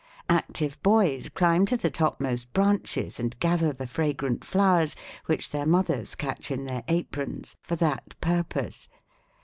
'Active boys climb to the topmost branches and gather the fragrant flowers, which their mothers catch in their aprons for that purpose.